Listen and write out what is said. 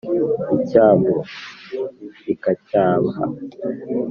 icyambu ikacyaha